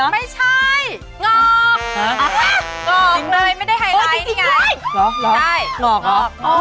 ไม่ได้ไฮไลท์นี่ไง